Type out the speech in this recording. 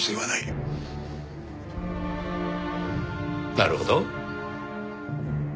なるほど。